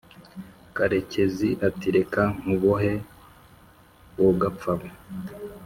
karekezi ati: "Reka nkubohe wo gapfa we!"